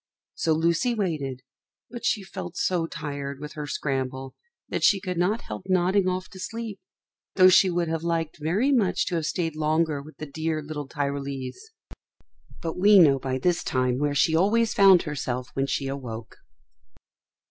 So Lucy waited, but she felt so tired with her scramble that she could not help nodding off to sleep, though she would have liked very much to have stayed longer with the dear little Tyrolese. But we know by this time where she always found herself when she awoke.